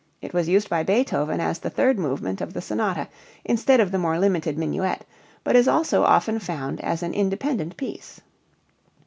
It was used by Beethoven as the third movement of the sonata instead of the more limited minuet, but is also often found as an independent piece.